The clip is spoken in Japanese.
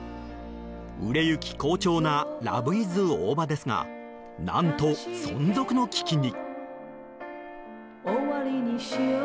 売れ行き好調な「らぶいず大葉」ですが何と、存続の危機に。